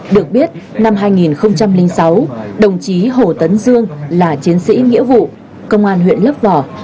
được biết năm hai nghìn sáu đồng chí hồ tấn dương là chiến sĩ nghĩa vụ công an huyện lấp vò